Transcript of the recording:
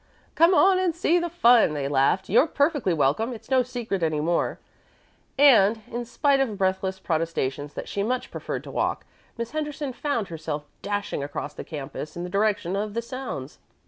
"Come on and see the fun," they laughed. "You're perfectly welcome; it's no secret any more." And, in spite of breathless protestations that she much preferred to walk, Miss Henderson found herself dashing across the campus in the direction of the sounds.